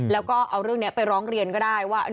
แล้วก็เอาเรื่องนี้ไปร้องเรียนก็ได้ว่า